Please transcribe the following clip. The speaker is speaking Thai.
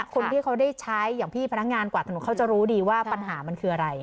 คนที่เขาได้ใช้อย่างพี่พนักงานกวาดถนนเขาจะรู้ดีว่าปัญหามันคืออะไร